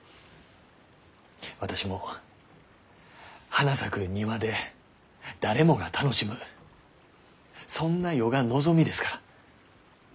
私も花咲く庭で誰もが楽しむそんな世が望みですから。